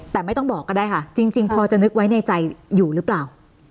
แต่ไม่ต้องบอกก็ได้ค่ะจริงพอจะนึกไว้ในใจอยู่หรือเปล่า